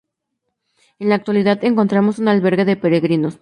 En la actualidad encontramos un albergue de peregrinos.